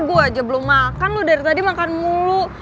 gue aja belum makan lu dari tadi makan mulu